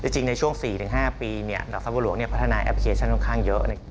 จริงในช่วง๔๕ปีหลักทรัพย์หลวงพัฒนาแอปพลิเคชันค่อนข้างเยอะ